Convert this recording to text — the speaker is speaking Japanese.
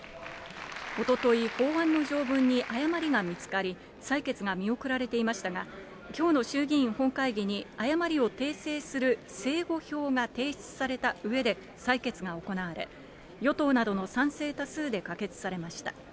おととい、法案の条文に誤りが見つかり、採決が見送られていましたが、きょうの衆議院本会議に誤りを訂正する正誤表が提出されたうえで、採決が行われ、与党などの賛成多数で可決されました。